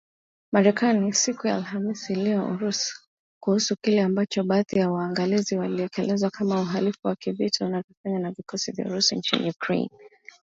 Marekani, siku ya Alhamis iliionya Urusi kuhusu kile ambacho baadhi ya waangalizi wanakielezea kama uhalifu wa kivita unaofanywa na vikosi vya Urusi nchini Ukraine